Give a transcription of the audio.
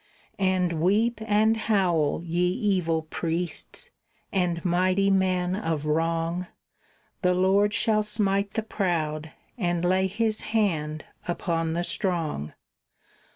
And weep and howl, ye evil priests and mighty men of wrong, The Lord shall smite the proud, and lay His hand upon the strong.